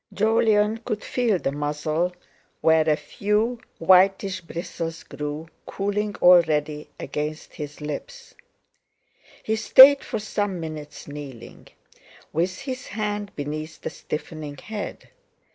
Jolyon could feel the muzzle, where a few whitish bristles grew, cooling already against his lips. He stayed for some minutes kneeling; with his hand beneath the stiffening head.